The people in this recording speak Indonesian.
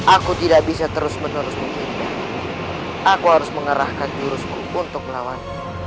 aku tidak bisa terus menerus menunda aku harus mengarahkan jurus untuk melawan